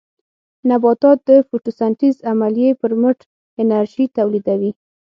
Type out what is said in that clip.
نباتات د فوټوسنټیز عملیې پرمټ انرژي تولیدوي.